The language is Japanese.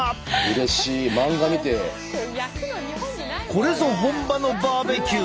これぞ本場のバーベキュー。